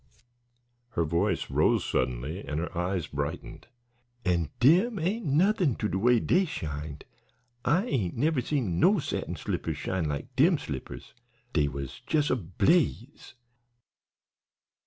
Her voice rose suddenly and her eyes brightened. "And dem ain't nothin' to de way dey shined. I ain't never seen no satin slippers shine like dem slippers; dey was jes' ablaze!"